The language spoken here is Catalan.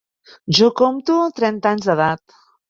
Jo compto trenta anys d'edat.